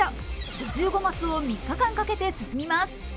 ５５マスを３日間かけて進みます。